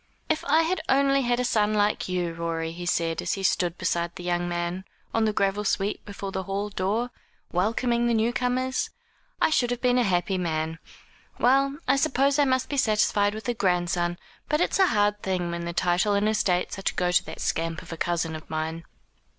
"If I had only had a son like you, Rorie," he said, as he stood beside the young man, on the gravel sweep before the hall door, welcoming the new comers, "I should have been a happy man. Well, I suppose I must be satisfied with a grandson; but it's a hard thing that the title and estates are to go to that scamp of a cousin of mine."